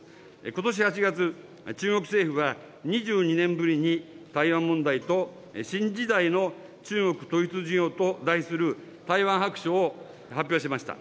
ことし８月、中国政府は、２２年ぶりに台湾問題と新時代の中国統一事業と題する台湾白書を発表しました。